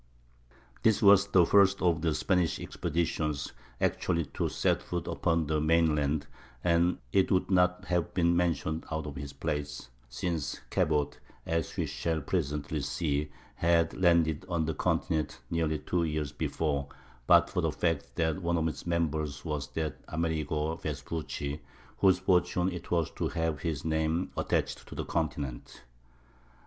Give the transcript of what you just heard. This was the first of the Spanish expeditions actually to set foot upon the mainland; and it would not have been mentioned out of its place (since Cabot, as we shall presently see, had landed on the continent nearly two years before) but for the fact that one of its members was that Amerigo Vespucci whose fortune it was to have his name attached to the continent.